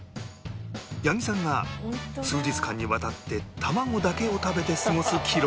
八木さんが数日間にわたって卵だけを食べて過ごす記録が